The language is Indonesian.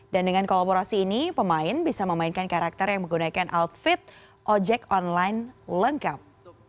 dan dengan kolaborasi ini pemain bisa memainkan karakter yang menggunakan outfit ojek online lengkap